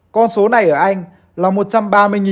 con số này ở anh là một trăm ba mươi người